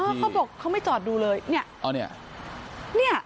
เขาบอกเขาไม่จอดดูเลยนี่